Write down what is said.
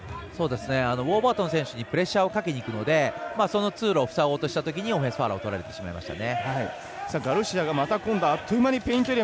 ウォーバートン選手にプレッシャーをかけにいくのでその通路を塞ごうとしたときオフェンスファウルをとられてしまいましたね。